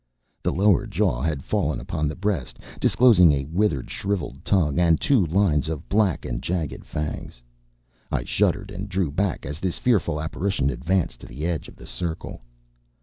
The lower jaw had fallen upon the breast, disclosing a withered, shrivelled tongue and two lines of black and jagged fangs. I shuddered and drew back as this fearful apparition advanced to the edge of the circle.